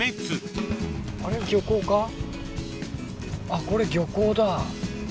あっこれ漁港だ。